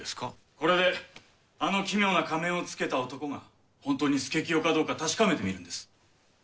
これであの奇妙な仮面をつけた男が本当に佐清かどうか確かめてみるんです。